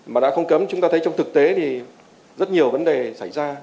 mà đã không cấm chúng ta thấy trong thực tế thì rất nhiều vấn đề xảy ra